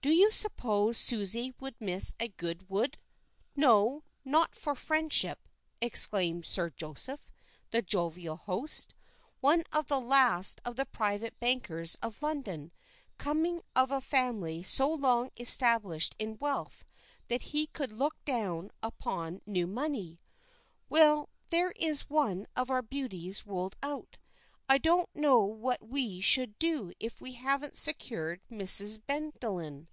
"Do you suppose Susie would miss a Goodwood no, not for friendship," exclaimed Sir Joseph, the jovial host, one of the last of the private bankers of London, coming of a family so long established in wealth that he could look down upon new money. "Well, there is one of our beauties ruled out. I don't know what we should do if we hadn't secured Mrs. Bellenden."